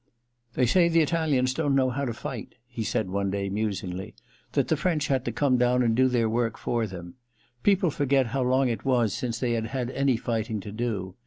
* They say the Italians didn't know how to fight,' he said one day, musingly —* that the French had to come down and do their work for them. People forget how long it was since they had had any fighting to do.